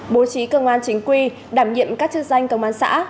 bố trí công an chính quy đảm nhiệm các chức danh công an xã